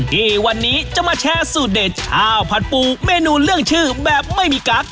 ที่วันนี้จะมาแชร์สูตรเด็ดข้าวผัดปูเมนูเรื่องชื่อแบบไม่มีกั๊ก